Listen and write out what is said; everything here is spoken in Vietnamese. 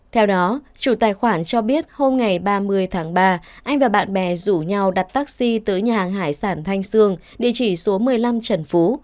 theo đó chủ tài khoản cho biết hôm ngày ba mươi tháng ba anh và bạn bè rủ nhau đặt taxi tới nhà hàng hải sản thanh sương địa chỉ số một mươi năm trần phú